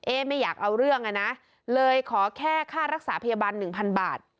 เอ๊ะไม่อยากเอาเรื่องอะนะเลยขอแค่ค่ารักษาพยาบาล๑๐๐๐บาท